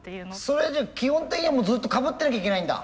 それじゃあ基本的にはもうずっとかぶってなきゃいけないんだ？